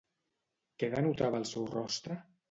Què denotava el seu rostre?